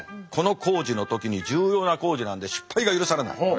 この工事の時に重要な工事なんで失敗が許されない。